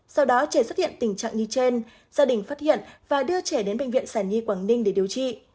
sau đó trẻ xuất hiện tình trạng như trên gia đình phát hiện và đưa trẻ đến bệnh viện sản nhi quảng ninh để điều trị